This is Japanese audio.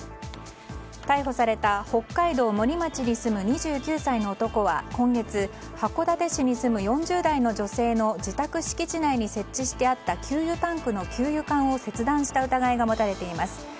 逮捕された北海道森町に住む２９歳の男は今月函館市に住む４０代の女性の自宅敷地内に設置してあった給油タンクの給油管を切断した疑いが持たれています。